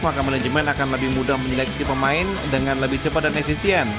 maka manajemen akan lebih mudah menyeleksi pemain dengan lebih cepat dan efisien